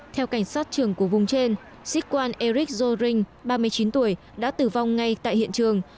theo cảnh sát trường của vùng trên sĩ quan eric zorring ba mươi chín tuổi đã tử vong ngay tại hiện trường